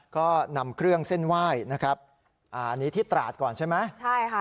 ก็นำเครื่องเส้นไหว้นะครับอ่าอันนี้ที่ตราดก่อนใช่ไหมใช่ค่ะ